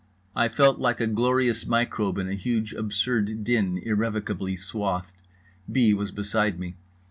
I felt like a glorious microbe in huge absurd din irrevocably swathed. B. was beside me.